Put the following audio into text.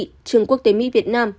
trường quốc tế mỹ việt nam